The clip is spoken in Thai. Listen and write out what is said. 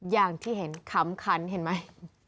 อย่างที่เห็นขำขันเห็นไหม